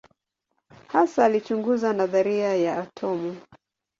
Hasa alichunguza nadharia ya atomu.